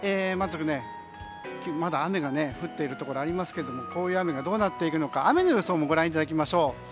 まだ雨が降っているところもありますけどもこういう雨がどうなっていくのか雨の予想もご覧いただきましょう。